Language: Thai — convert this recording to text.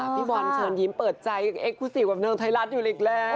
พี่วัลเชิญยิ้มเปิดใจเอ็กซ์คูซิฟแบบเนื้อไทรัศน์อยู่อีกแล้ว